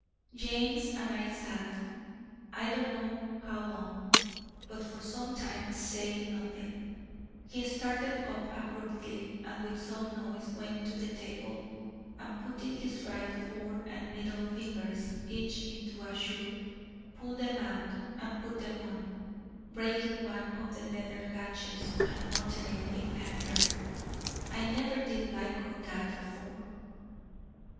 James and I sat, I don't know how long, but for some time saying nothing: he started up abruptly, and with some noise went to the table, and putting his right, fore and middle fingers each into a shoe, pulled them out, and put them on, breaking one of the leather latchets, and muttering in anger, "I never did the like o' that afore."